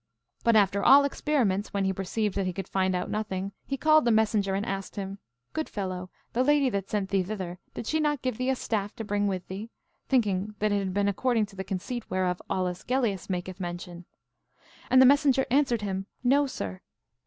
But after all experiments, when he perceived that he could find out nothing, he called the messenger and asked him, Good fellow, the lady that sent thee hither, did she not give thee a staff to bring with thee? thinking that it had been according to the conceit whereof Aulus Gellius maketh mention. And the messenger answered him, No, sir.